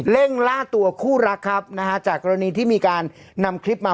ล่าตัวคู่รักครับนะฮะจากกรณีที่มีการนำคลิปมา